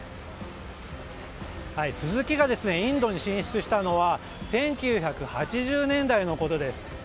スズキがインドに進出したのは１９８０年代のことです。